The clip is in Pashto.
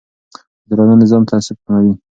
عادلانه نظام تعصب کموي